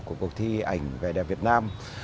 của cuộc thi ảnh vẻ đẹp việt nam